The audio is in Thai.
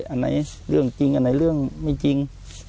อันไหนเรื่องจริงอันไหนเรื่องไม่จริง